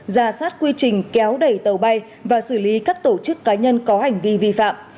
ra soát quy trình kéo đẩy tàu bay và xử lý các tổ chức cá nhân có hành vi vi phạm